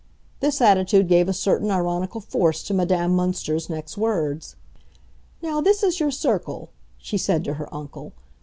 This attitude gave a certain ironical force to Madame Münster's next words. "Now this is your circle," she said to her uncle.